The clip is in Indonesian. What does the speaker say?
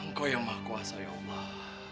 engkau yang maha kuasa ya allah